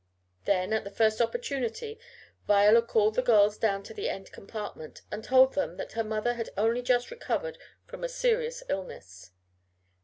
Then, at the first opportunity Viola called the girls down to the end compartment, and told them that her mother had only just recovered from a serious illness.